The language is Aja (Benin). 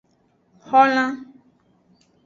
Xolan.